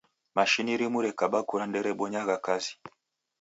Mashini rimu rekaba kura nderebonyagha kazi.